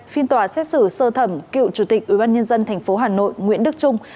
phiên tòa xét xử sơ thẩm cựu chủ tịch ubnd tp hà nội nguyễn đức trung